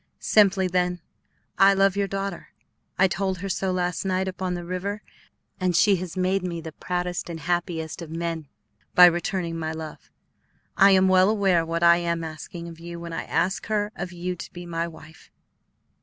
Simply, then, I love your daughter. I told her so last night upon the river, and she has made me the proudest and happiest of men by returning my love. I am well aware what I am asking of you when I ask her of you to be my wife.